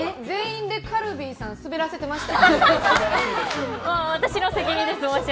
全員でカルビーさんスベらせてましたよ。